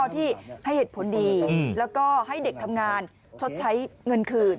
ที่ให้เหตุผลดีแล้วก็ให้เด็กทำงานชดใช้เงินคืน